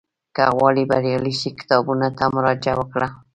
که غواړې بریالی شې، کتابونو ته مراجعه وکړه.